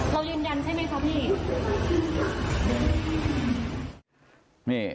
เรายืนยันใช่ไหมคะพี่